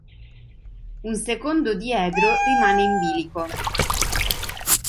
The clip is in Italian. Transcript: Un secondo diedro rimane in bilico.